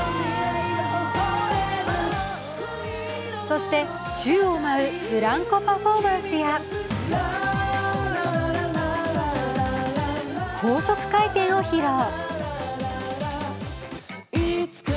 そして宙を舞うブランコパフォーマンスや高速回転を披露。